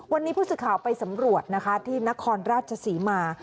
วันนี้ผู้สื่อข่าวไปสำรวจนะคะที่นครราชศรีมา